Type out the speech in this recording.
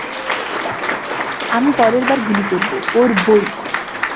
আমি পরের বার গুলি করব, করবোই।